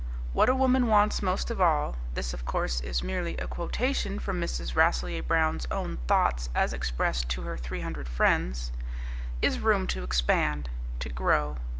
What a woman wants most of all this, of course, is merely a quotation from Mrs. Rasselyer Brown's own thoughts as expressed to her three hundred friends is room to expand, to grow.